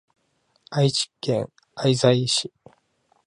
愛知県愛西市